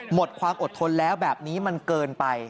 หมดความอดทนแล้วแบบนี้มันเกินไป